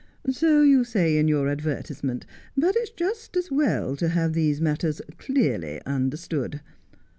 ' So you say in your advertisement ; but it's just as well to have these matters clearly understood.